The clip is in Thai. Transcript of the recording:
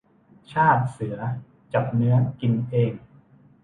ชาติเสือจับเนื้อกินเอง